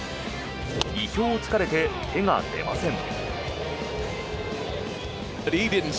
意表を突かれて手が出ません。